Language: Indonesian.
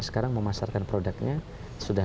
sekarang memasarkan produknya sudah